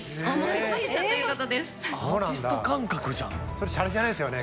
それシャレじゃないですよね